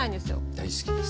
大好きです。